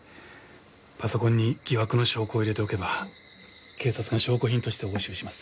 パソコンに疑惑の証拠を入れておけば警察が証拠品として押収します。